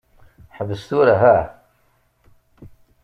Ḥbes tura hah.